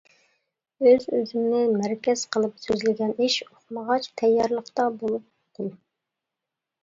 ئۆز-ئۆزۈمنى مەركەز قىلىپ سۆزلىگەن، ئىش ئۇقمىغاچ، تەييارلىقتا بولۇپ قۇل.